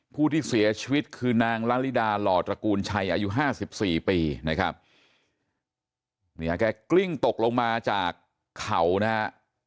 ผู้ที่เสียชีวิตคือนางละลิดาหล่อตระกูลชัยอายุห้าสิบสี่ปีนะครับเนี่ยแกกลิ้งตกลงมาจากเขานะฮะ